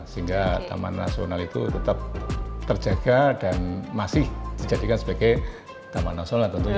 sehingga taman nasional itu tetap terjaga dan masih dijadikan sebagai taman nasional tentunya